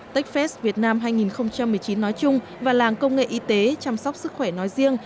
techfest việt nam hai nghìn một mươi chín nói chung và làng công nghệ y tế chăm sóc sức khỏe nói riêng